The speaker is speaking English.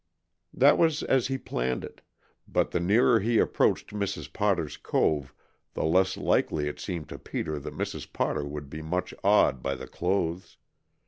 That was as he planned it, but the nearer he approached Mrs. Potter's cove the less likely it seemed to Peter that Mrs. Potter would be much awed by the clothes.